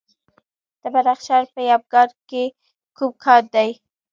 د بدخشان په یمګان کې کوم کان دی؟